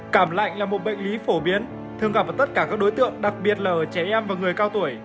cảm lạnh là một bệnh lý phổ biến thường gặp ở tất cả các đối tượng đặc biệt là trẻ em và người cao tuổi